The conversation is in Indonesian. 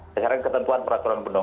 secara ketentuan peraturan